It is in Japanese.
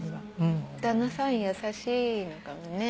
旦那さん優しいのかもね。